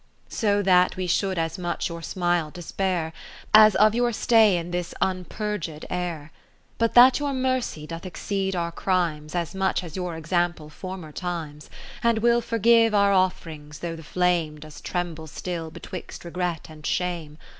So that we should as much your smile despair, (5 ) As of your stay in this unpurged air; But that your mercy doth exceed our crimes As much as your example former times, And will forgive our off'rings, though the flame Does tremble still betwixt regret and shame.